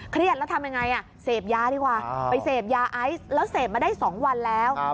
แล้วทำยังไงเสพยาดีกว่าไปเสพยาไอซ์แล้วเสพมาได้๒วันแล้ว